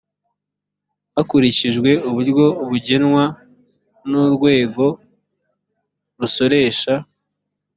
hakurikijwe uburyo bugenwa n urwego rusoresha